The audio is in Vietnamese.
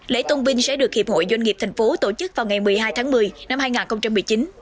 lễ tôn binh sẽ được hiệp hội doanh nghiệp thành phố tổ chức vào ngày một mươi hai tháng một mươi năm hai nghìn một mươi chín